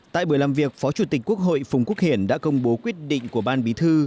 tại buổi làm việc phó chủ tịch quốc hội phùng quốc hiển đã công bố quyết định của ban bí thư